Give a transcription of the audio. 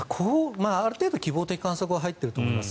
ある程度、希望的観測は入っていると思います。